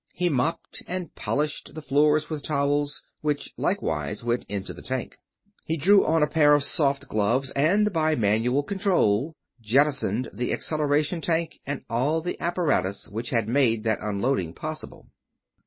He mopped and polished the floor with towels, which likewise went into the tank. He drew on a pair of soft gloves and, by manual control, jettisoned the acceleration tank and all the apparatus which had made that unloading possible.